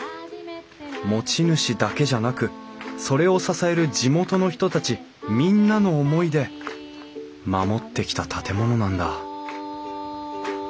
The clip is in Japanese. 持ち主だけじゃなくそれを支える地元の人たちみんなの思いで守ってきた建物なんだ